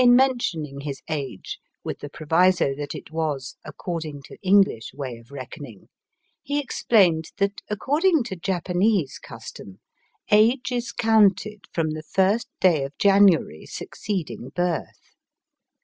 In mentioning his age, with the proviso that it was " accord ing to Enghsh way of reckoning," he explained that according to Japanese custom age is counted from the first day of January succeed Digitized by VjOOQIC 244 EAST BY WEST. ing birth.